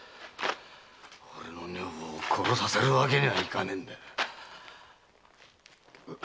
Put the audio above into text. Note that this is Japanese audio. おぶんを殺させるわけにはいかねえんだ。